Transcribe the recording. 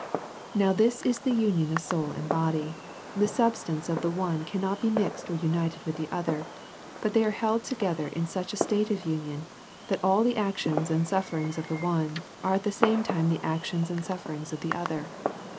Now, this is the union of the soul and body ; the substance of the one cannot be mixed or united with the other, but they are held together in such a state of union, that all the actions and sufferings of the one are at the same time the actions and sufferings of the other.